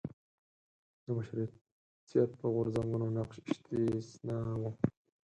د مشروطیت غورځنګونو نقش استثنا و.